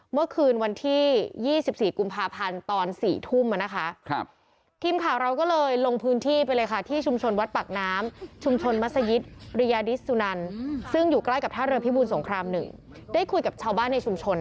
เมื่อคืนวันที่๒๔กุณภาพันธุ์ตอน